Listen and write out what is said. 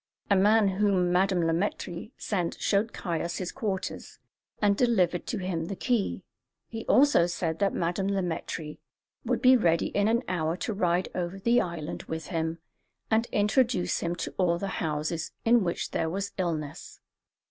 A man whom Madame Le Maître sent showed Caius his quarters, and delivered to him the key; he also said that Madame Le Maître would be ready in an hour to ride over the island with him and introduce him to all the houses in which there was illness.